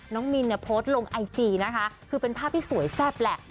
มินเนี่ยโพสต์ลงไอจีนะคะคือเป็นภาพที่สวยแซ่บแหละ